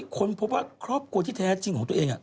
ค้นพบว่าครอบครัวที่แท้จริงของตัวเอง